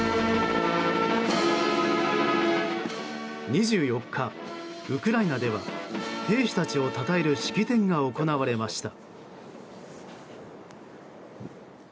２４日、ウクライナでは兵士たちをたたえる式典が行われました。